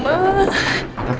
masa ada rumah